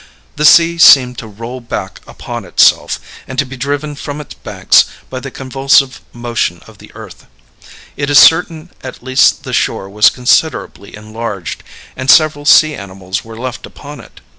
The sea seemed to roll back upon itself and to be driven from its banks by the convulsive motion of the earth; it is certain at least the shore was considerably enlarged, and several sea animals were left upon it.